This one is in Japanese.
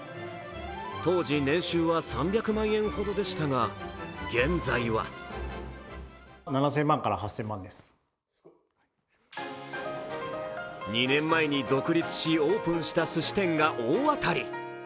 当時、年収は３００万円ほどでしたが現在は２年前に独立しオープンしたすし店が大当たり。